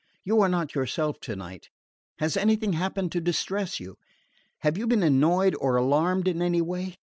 You are not yourself tonight. Has anything happened to distress you? Have you been annoyed or alarmed in any way?